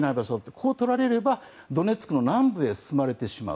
ここをとられれば、ドネツクの南部へ進まれてしまう。